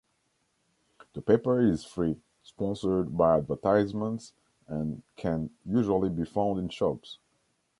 The paper is free, sponsored by advertisements and can usually be found in shops.